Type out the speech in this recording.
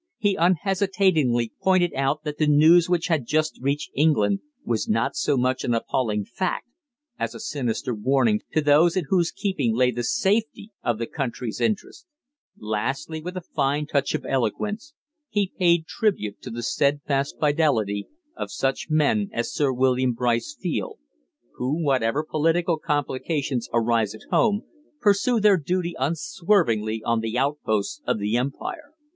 He unhesitatingly pointed out that the news which had just reached England was not so much an appalling fact as a sinister warning to those in whose keeping lay the safety of the country's interests. Lastly, with a fine touch of eloquence, he paid tribute to the steadfast fidelity of such men as Sir William Brice Field, who, whatever political complications arise at home, pursue their duty unswervingly on the outposts of the empire.